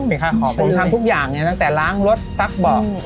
เป็นค่าของผมทำทุกอย่างเนี่ยตั้งแต่ล้างรถตักเบาะ